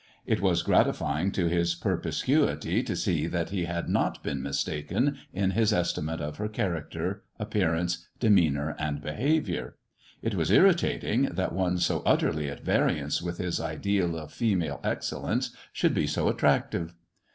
It was gratifying to his perspicuity to see that he had not been mistaken in his estimate of her character, appearance, demeanour, and behaviour. It was irritating that one so utterly at variance with his ideal of female excellence should be so attractive.